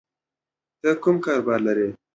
ته کوم کاروبار لری